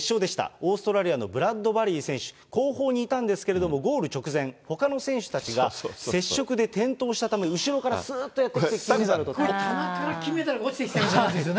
オーストラリアのブラッドバリー選手、後方にいたんですけれども、ゴール直前、ほかの選手たちが接触で転倒したため、後ろからすーっとやってきこれ、棚から金メダルが落ちてきたじゃないですけどね。